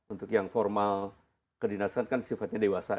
untuk yang formal kedinasan kan sifatnya dewasa